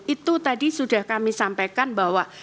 itu tadi sudah kami sampaikan bahwa